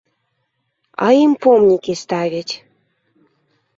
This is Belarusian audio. А ім помнікі ставяць!